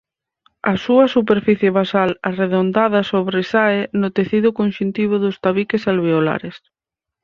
A súa superficie basal arredondada sobresae no tecido conxuntivo dos tabiques alveolares.